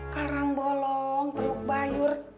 karang bolong teluk bayur